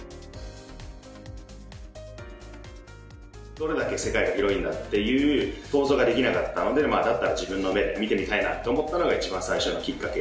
どれだけ世界が広いんだっていう想像ができなかったのでだったら自分の目で見てみたいなって思ったのが一番最初のきっかけ。